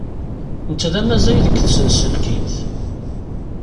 Netta d amazzay deg tsenselkimt.